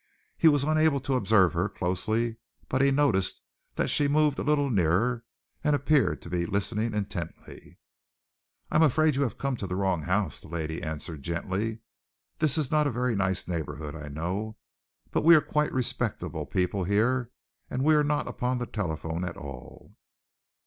He was unable to observe her closely, but he noticed that she moved a little nearer, and appeared to be listening intently. "I am afraid that you have come to the wrong house," the lady answered gently. "This is not a very nice neighborhood, I know, but we are quite respectable people here, and we are not upon the telephone at all."